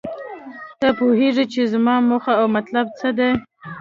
ته پوهیږې چې زما موخه او مطلب څه دی